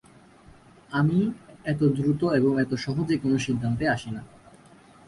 আমি এত দ্রুত এবং এত সহজে কোনো সিদ্ধান্তে আসি না।